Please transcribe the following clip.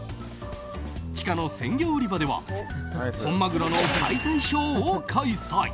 地下の鮮魚売り場では本マグロの解体ショーを開催。